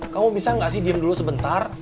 kamu bisa tidak sih diam dulu sebentar